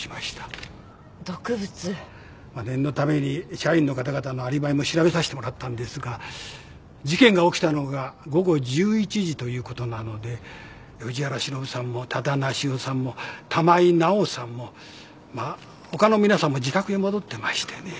念のために社員の方々のアリバイも調べさせてもらったんですが事件が起きたのが午後１１時ということなので藤原しのぶさんも多田梨世さんも玉井奈緒さんもまあほかの皆さんも自宅へ戻ってましてね。